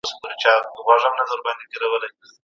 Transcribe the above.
سعید په ډېرې ساده ګۍ سره وویل چې د کلي خلک ډېر بختور دي.